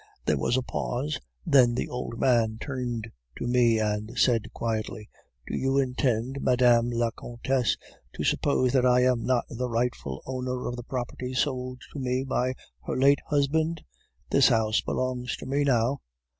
"There was a pause, then the old man turned to me and said quietly: "'Do you intend Mme. la Comtesse to suppose that I am not the rightful owner of the property sold to me by her late husband? This house belongs to me now.